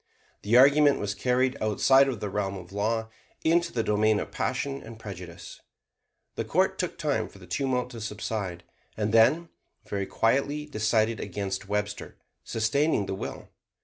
The argument was carried outside of the realm of law into the domain of passion and prejudice. The court took time for the tumult to subside, and then very quietly decided against Webster, sustaining the will.